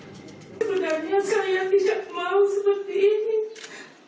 sebenarnya saya tidak mau seperti ini